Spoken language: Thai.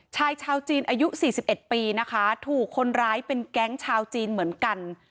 ชายชาวจีนอายุ๔๑ปีนะคะถูกคนร้ายเป็นแก๊งชาวจีนเหมือนกัน